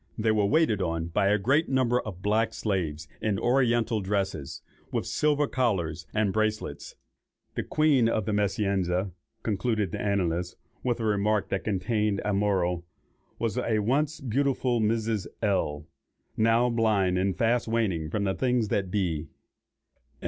They were waited on by a great number of black slaves in oriental dresses, with silver collars and bracelets. The queen of the "Meschianza," concludes the annalist, with a remark which contains a moral, "was a once beautiful Mrs. L——, now blind and fast waning from the things that be."